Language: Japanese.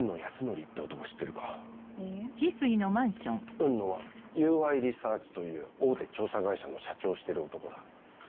雲野はＵＹリサーチという大手調査会社の社長をしてる男だ。